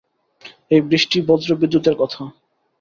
এই বৃষ্টিবজ্রবিদ্যুতের কথা!